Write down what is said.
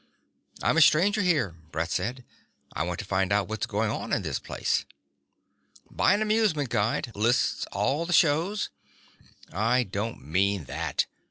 "I'm a stranger here," Brett said. "I want to find out what's going on in this place " "Buy an amusement guide. Lists all the shows " "I don't mean that.